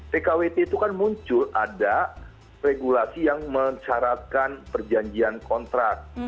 pkwt itu kan muncul ada regulasi yang mensyaratkan perjanjian kontrak